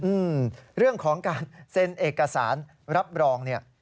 อืมเรื่องของการเซ็นเอกสารรับรองเนี่ย